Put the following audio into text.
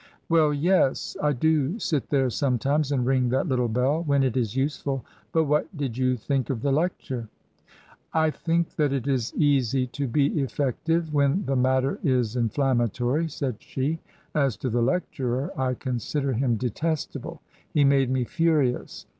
" Well, yes ! I do sit there sometimes and ring that little bell — when it is useful. But what did you think of the lecture ?"" I think that it is easy to be effective when the matter is inflammatory," said she. " As to the lecturer, I con sidered him detestable; he made me furious.